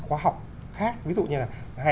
khoa học khác ví dụ như là